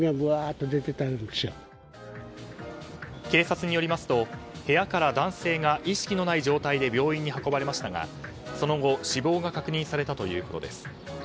警察によりますと部屋から男性が意識のない状態で病院に運ばれましたが、その後死亡が確認されたということです。